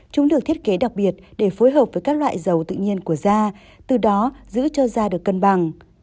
chúng được thiết kế đặc biệt để phối hợp với các loại dầu tự nhiên của da từ đó giữ cho da được cân bằng